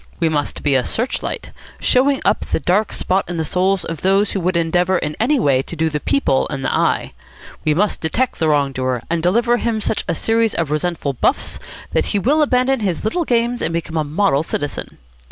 We must be a search light, showing up the dark spot in the souls of those who would endeavour in any way to do the PEOPLE in the eye. We must detect the wrong doer, and deliver him such a series of resentful buffs that he will abandon his little games and become a model citizen.